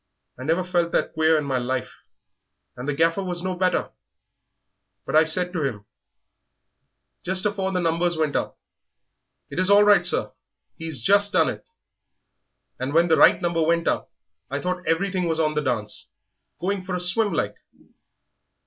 I never felt that queer in my life and the Gaffer was no better; but I said to him, just afore the numbers went up, 'It is all right, sir, he's just done it,' and when the right number went up I thought everything was on the dance, going for swim like.